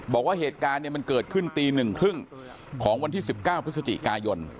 บอกว่าเหตุการณ์มันเกิดขึ้นตี๑๓๐ของวันที่๑๙พฤศจิกายน